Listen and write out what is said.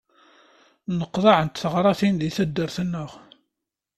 Nneqḍaɛent teɣratin deg taddart-nneɣ.